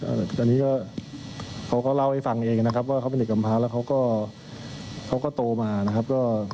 อันนี้ก็เขาก็เล่าให้ฟังเองนะครับว่าเขาเป็นเด็กกำพาแล้วเขาก็เขาก็โตมานะครับก็